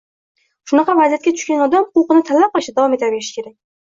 shunaqa vaziyatga tushgan odam huquqini talab qilishda davom etaverishi kerak.